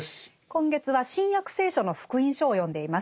今月は「新約聖書」の「福音書」を読んでいます。